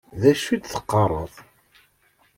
D acu i d-teqqaṛeḍ?